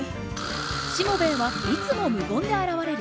しもべえはいつも無言で現れる。